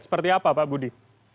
seperti apa pak budi